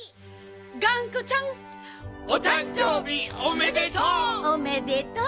がんこちゃん。おたんじょうびおめでとう！おめでとう。